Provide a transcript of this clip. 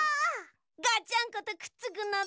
ガチャンコとくっつくのだ！